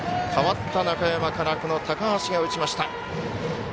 代わった中山から高橋が打ちました。